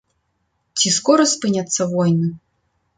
Ці скора спыняцца войны?